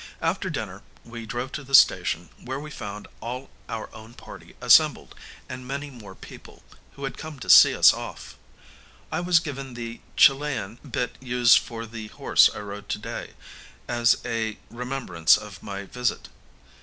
After dinner we drove to the station, where we found all our own party assembled, and many more people, who had come to see us off. I was given the Chilian bit used for the horse I rode to day, as a remembrance of my visit.